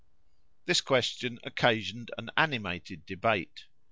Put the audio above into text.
This question occasioned an animated debate.